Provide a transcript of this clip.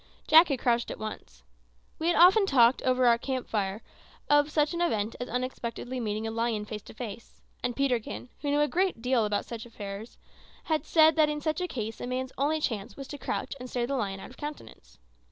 Jack had crouched at once. We had often talked, over our camp fire, of such an event as unexpectedly meeting a lion face to face; and Peterkin, who knew a good deal about such matters, had said that in such a case a man's only chance was to crouch and stare the lion out of countenance.